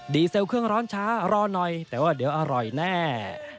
เซลเครื่องร้อนช้ารอหน่อยแต่ว่าเดี๋ยวอร่อยแน่